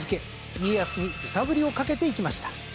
家康に揺さぶりをかけていきました。